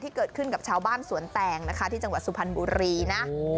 เกิดขึ้นกับชาวบ้านสวนแตงนะคะที่จังหวัดสุพรรณบุรีนะ